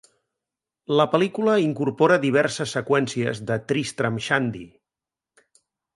La pel·lícula incorpora diverses seqüències de "Tristram Shandy".